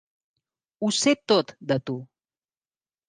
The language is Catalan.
Ho sé tot de tu.